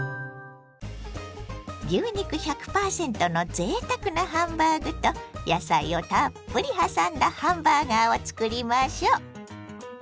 牛肉１００％のぜいたくなハンバーグと野菜をたっぷりはさんだハンバーガーをつくりましょ。